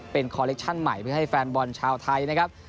เป็นคอลเลคชั่นใหม่เพื่อให้แฟนบอลชาวไทยนะครับ